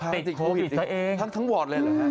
ติดโควิดเฉยครับทั้งวอร์ดเลยหรือครับ